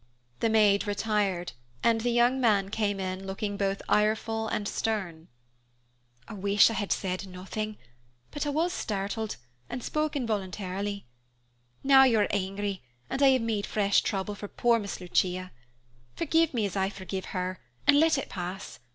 The maid retired, and the young man came in looking both ireful and stern. "I wish I had said nothing, but I was startled, and spoke involuntarily. Now you are angry, and I have made fresh trouble for poor Miss Lucia. Forgive me as I forgive her, and let it pass.